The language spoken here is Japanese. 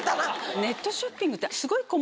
ネットショッピングってすごい。